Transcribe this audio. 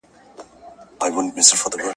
په دې لار کې خیر دی.